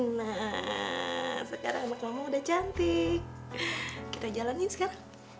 nah sekarang anak ngomong udah cantik kita jalanin sekarang